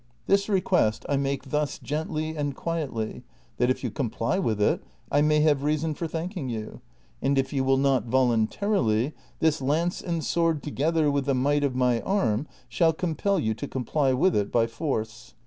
This request I make thus gently and quietly, that, if you com})ly with it, I may have reason for thanking you ; and, if you will not voluntarily, this lance and sword together v/ith the might of my arm shall compel you to comply with it by force."